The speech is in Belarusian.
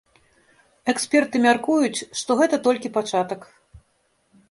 Эксперты мяркуюць, што гэта толькі пачатак.